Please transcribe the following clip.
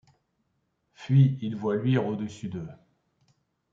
Fuit -Il voit luire au-dessus d'eux